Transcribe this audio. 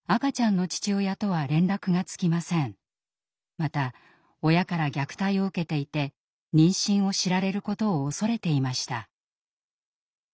また親から虐待を受けていて妊娠を知られることを恐れていました。